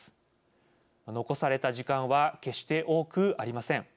残された時間は決して多くありません。